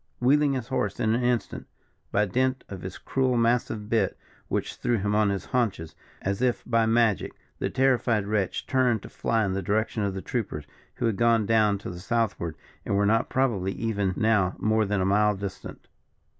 Wheeling his horse in an instant, by dint of his cruel massive bit, which threw him on his haunches, as if by magic, the terrified wretch turned to fly in the direction of the troopers, who had gone down to the southward, and were not probably even now more than a mile distant.